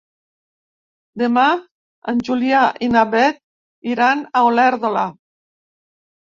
Demà en Julià i na Beth iran a Olèrdola.